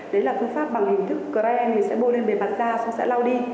đấy là phương pháp bằng hình thức gram thì sẽ bôi lên bề mặt da xong sẽ lau đi